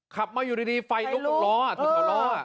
ขับมาอยู่ดีไฟลุกล้ออ่ะ